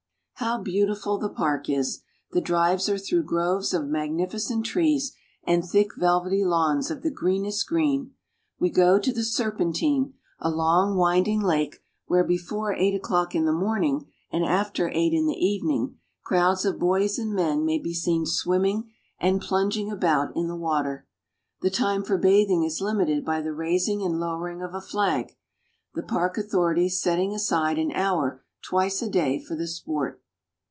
How beautiful the park is ! The drives are through groves of magnificent trees and thick velvety lawns of the greenest green. We go to the Serpentine, a long winding lake where, before eight o'clock in the morning and after eight in the evening, crowds of boys and men may be seen Nelson Monument, Trafal gar Square. HOW ENGLAND IS GOVERNED. 77 swimming and plunging about in the water. The time for bathing is limited by the raising and lowering of a flag, the park authorities setting aside an hour twice a day for the sport.